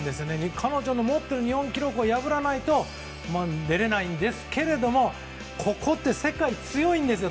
彼女の持ってる日本記録を破らないと出られないんですがここって世界が強いんですよ。